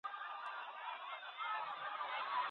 د انسان ذهن خورا حیرانوونکی دی.